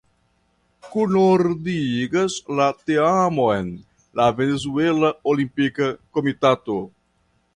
Kunordigas la teamon la Venezuela Olimpika Komitato.